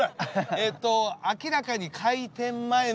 えっと明らかに開店前の何かこのね。